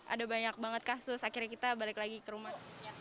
ada banyak banget kasus akhirnya kita balik lagi ke rumah